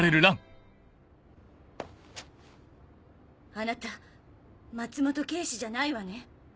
あなた松本警視じゃないわね？